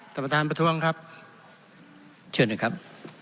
ท่านประธานพระท่วงครับเชิญหน่อยครับ